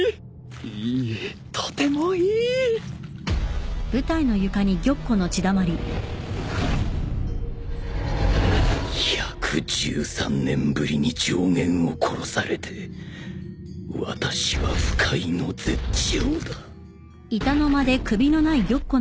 いいとてもいい１１３年ぶりに上弦を殺されて私は不快の絶頂だ。